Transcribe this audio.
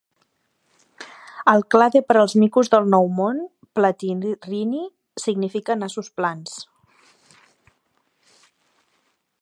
El clade per als micos del Nou Món, Platyrrhini, significa "nassos plans".